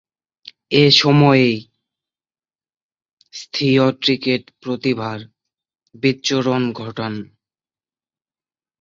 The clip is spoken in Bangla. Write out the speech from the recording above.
এ সময়েই স্বীয় ক্রিকেট প্রতিভার বিচ্ছুরণ ঘটান।